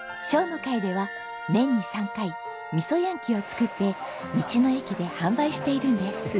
笑の会では年に３回みそやんきを作って道の駅で販売しているんです。